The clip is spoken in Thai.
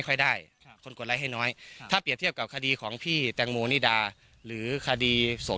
ค่อยได้คนกดไลค์ให้น้อยถ้าเปรียบเทียบกับคดีของพี่แตงโมนิดาหรือคดีส่ง